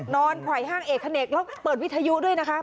ไขว่ห้างเอกเนกแล้วเปิดวิทยุด้วยนะคะ